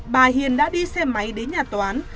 bà hiền đã đi xe máy đến nhà toán